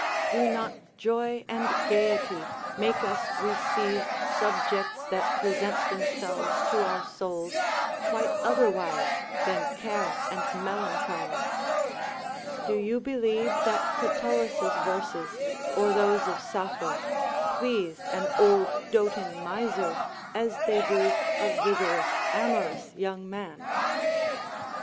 Do not joy and gayety make us receive subjects that present themselves to our souls quite otherwise than care and melancholy? Do you believe that Catullus's verses, or those of Sappho, please an old doting miser as they do a vigorous, amorous young man?